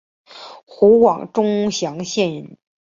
湖广钟祥县人。